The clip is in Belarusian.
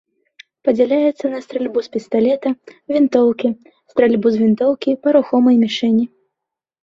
Падзяляецца на стральбу з пісталета, вінтоўкі, стральбу з вінтоўкі па рухомай мішэні.